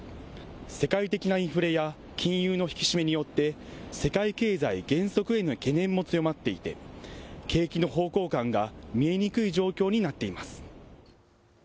世界的なインフレや金融の引き締めによって、世界経済減速への懸念も強まっていて、景気の方向感が見えにくい状況になっています。